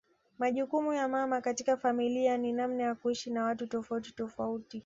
Majukumu ya mama katika familia na namna ya kuishi na watu tofauti tofauti